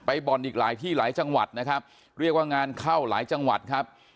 บ่อนอีกหลายที่หลายจังหวัดนะครับเรียกว่างานเข้าหลายจังหวัดครับ